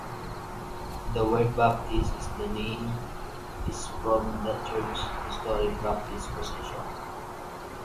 The word "Baptist" in the name is from the church's historic Baptist position.